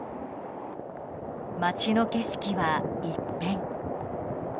町の景色は一変。